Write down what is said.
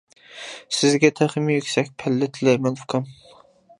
سىزگە تېخىمۇ يۈكسەك پەللە تىلەيمەن ئۇكام!